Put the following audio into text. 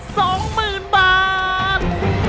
๒หมื่นบาท